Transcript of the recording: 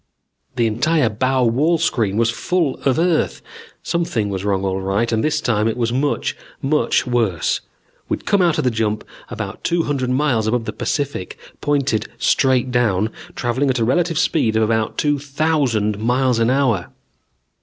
The entire bow wall screen was full of Earth. Something was wrong all right, and this time it was much, much worse. We'd come out of the jump about two hundred miles above the Pacific, pointed straight down, traveling at a relative speed of about two thousand miles an hour.